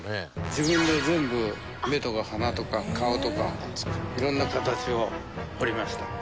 自分で全部目とか鼻とか顔とか色んな形を彫りました。